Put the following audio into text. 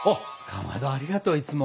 かまどありがとういつも。